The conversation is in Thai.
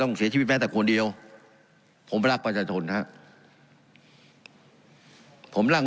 ต้องเสียชีวิตแม่แต่คนเดียวผมรักประชาทนธรรมนะฮะผมลั่ง